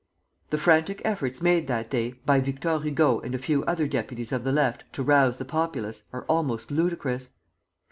The frantic efforts made that day by Victor Hugo and a few other deputies of the Left to rouse the populace are almost ludicrous.